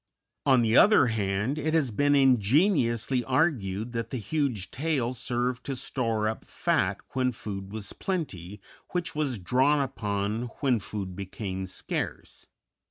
On the other hand, it has been ingeniously argued that the huge tail served to store up fat when food was plenty, which was drawn upon when food became scarce.